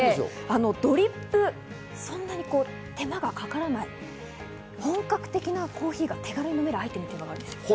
ドリップ、そんなに手間がかからない本格的なコーヒーが手軽に飲めるアイテムがあります。